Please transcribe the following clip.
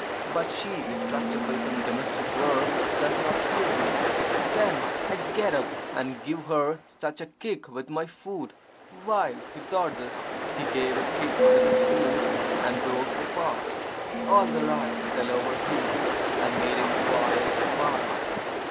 But she, distracted by some domestic work, does not hear me. Then I get up, and give her such a kick with my foot." While he thought this, he gave a kick with his foot, and broke the pot. All the rice fell over him, and made him quite white.